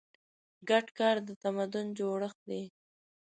ګډ کار د تمدن جوړښت دی.